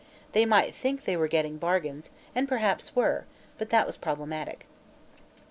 They might think they were getting bargains, and perhaps were, but that was problematic.